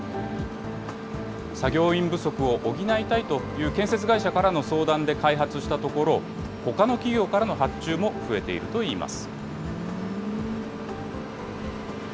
作業員不足を補いたいという建設会社からの相談で開発したところ、ほかの企業からの発注も増えているといいます。